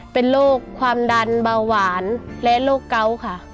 เป็นโรคความดันเบาหวานและโรคเกาะค่ะ